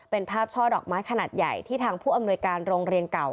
เป็นภาพช่อดอกไม้ขนาดใหญ่ที่ทางผู้อำนวยการโรงเรียนเก่า